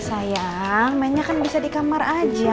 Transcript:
sayang mainnya kan bisa di kamar aja